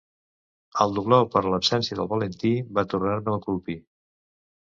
El dolor per l'absència del Valentí va tornar-me a colpir.